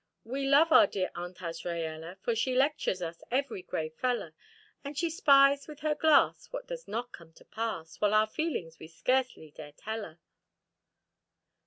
We love our dear Aunt Azraella, For she lectures us every Grey feller!_ _And she spies with her glass What does not come to pass, While our feelings we scarcely dare tell her.